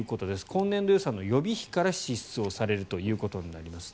今年度予算の予備費から支出されることになります。